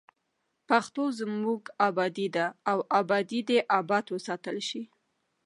پښتو زموږ ابادي ده او ابادي دې اباد وساتل شي.